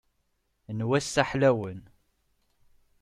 N wass-a ḥlawen.